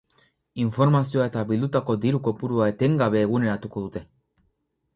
Informazioa eta bildutako diru-kopurua etengabe eguneratuko dute.